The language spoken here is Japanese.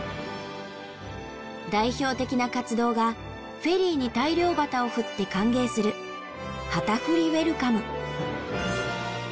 代表的な活動がフェリーに大漁旗を振って歓迎する「旗振りウェルカム」。